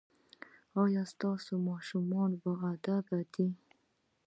ایا ستاسو ماشومان باادبه دي؟